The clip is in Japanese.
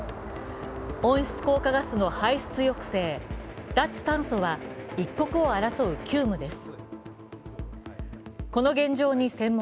温室効果ガスの排出抑制・脱炭素は一刻を争う急務です。